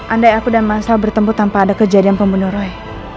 andai aku dan massa bertemu tanpa ada kejadian pembunuh roy